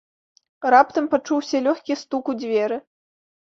Раптам пачуўся лёгкі стук у дзверы.